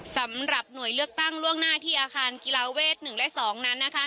สำหรับหน่วยเลือกตั้งล่วงหน้าที่อาคารกีฬาเวท๑และ๒นั้นนะคะ